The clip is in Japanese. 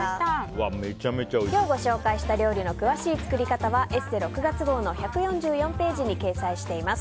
今日ご紹介した料理の詳しい作り方は「ＥＳＳＥ」６月号の１４４ページに掲載してます。